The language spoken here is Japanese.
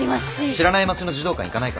知らない町の児童館行かないから。